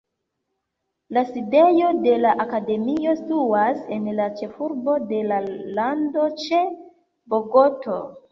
La sidejo de la akademio situas en la ĉefurbo de la lando, ĉe Bogoto.